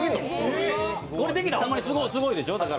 これできたらホンマにすごいでしょう。